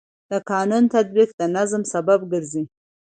د قانون تطبیق د نظم سبب ګرځي.